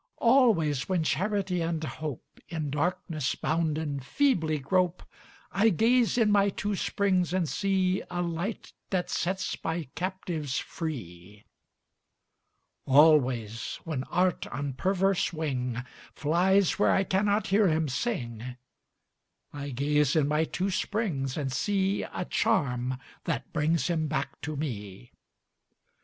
Always when Charity and Hope, In darkness bounden, feebly grope, I gaze in my two springs and see A Light that sets my captives free. Always, when Art on perverse wing Flies where I cannot hear him sing, I gaze in my two springs and see A charm that brings him back to me.